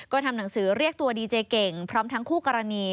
ก็ทำหนังสือเรียกตัวดีเจเก่งพร้อมทั้งคู่กรณี